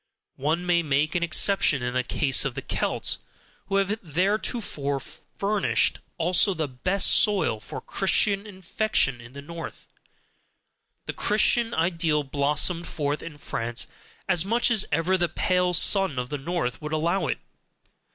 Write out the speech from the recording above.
One may make an exception in the case of the Celts, who have theretofore furnished also the best soil for Christian infection in the North: the Christian ideal blossomed forth in France as much as ever the pale sun of the north would allow it.